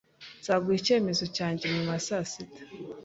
Nzaguha icyemezo cyanjye nyuma ya saa sita.